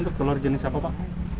untuk telur jenis apa pak